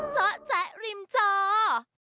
เจาะแจ๊ะริมจอ